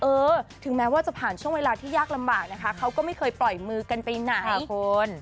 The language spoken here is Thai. เออถึงแม้ว่าจะผ่านช่วงเวลาที่ยากลำบากนะคะเขาก็ไม่เคยปล่อยมือกันไปไหนคุณ